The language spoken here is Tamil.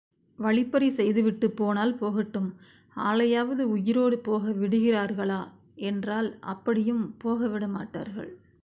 வழிப்பறி செய்துவிட்டுப் போனால் போகட்டும், ஆளையாவது உயிரோடு போக விடுகிறார்களா என்றால், அப்படியும் போக விட மாட்டார்கள்.